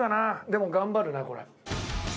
でも頑張るなこれ。